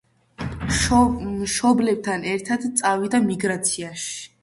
მშობლებთან ერთად წავიდა ემიგრაციაში.